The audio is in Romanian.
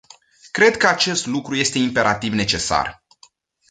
Cred că acest lucru este imperativ necesar.